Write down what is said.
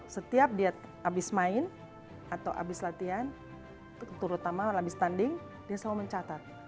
setiap dia habis main atau habis latihan terutama habis tanding dia selalu mencatat